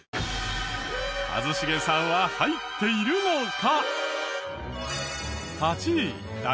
一茂さんは入っているのか？